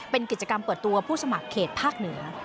เป็นกิจกรรมเปิดตัวผู้สมัครเขตภาคเหนือ